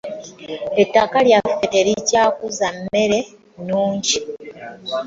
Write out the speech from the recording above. Ettaka lyaffe terikyakuza mmere nnungi.